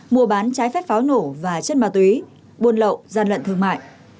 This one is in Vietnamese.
mua bán trái phép pháo nổ và chất ma túy buôn lậu gian lận thương mại